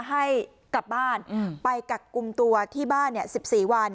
ให้กลับบ้านไปกักกุมตัวที่บ้าน๑๔วัน